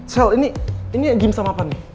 sel ini ini gim sama apa nih